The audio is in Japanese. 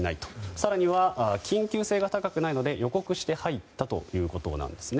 更には緊急性が高くないので予告して入ったということなんですね。